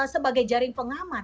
sebagai jaring pengaman